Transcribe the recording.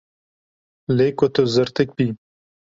Lê ku tu zirtik bî.